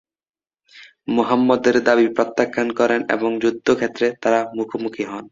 মুহাম্মদ এর দাবি প্রত্যাখ্যান করেন এবং যুদ্ধক্ষেত্রে তারা মুখোমুখি হন।